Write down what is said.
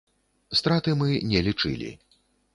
Страты мы не лічылі.